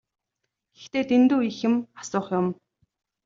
Гэхдээ дэндүү их юм асуух юм.